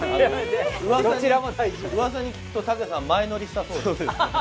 噂に聞くと武さん、前乗りしたそうです。